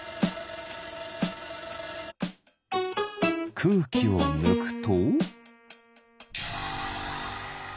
くうきをぬくと。